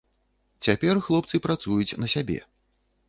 Цяпер хлопцы працуюць на сябе.